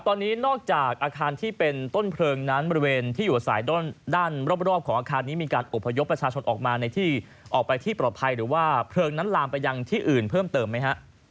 ตอนนี้นอกจากอาคารที่เป็นต้นเพลิงนั้นบริเวณที่อยู่อาศัยด้านรอบของอาคารนี้มีการอบพยพประชาชนออกมาในที่ออกไปที่ปลอดภัยหรือว่าเพลิงนั้นลามไปยังที่อื่นเพิ่มเติมไหมฮะ